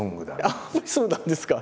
そうなんですか？